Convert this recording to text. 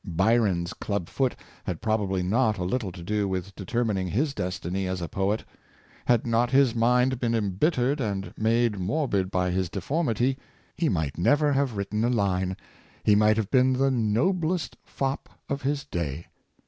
Byron's club foot had probably not a little to do with deter mining his destiny as a poet. Had not his mind been embittered and m.ade morbid by his deformity, he might never have written a line — he might have been the noblest fop of his day.